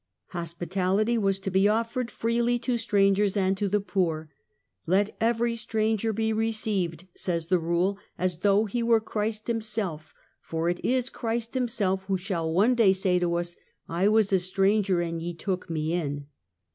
Hospitality was to be offered freely to strangers and to the poor. " Let every stranger be received," says the rule, " as though he were Christ Himself, for it is Christ Himself who shall one day say to us, ' I was a stranger, and ye took Me in